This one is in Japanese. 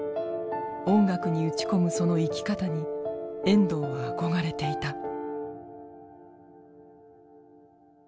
音楽に打ち込むその生き方に遠藤は憧れていた。